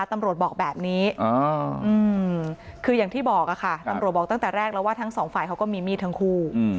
ตำรวจบอกแบบนี้คืออย่างที่บอกค่ะตำรวจบอกตั้งแต่แรกแล้วว่าทั้งสองฝ่ายเขาก็มีมีดทั้งคู่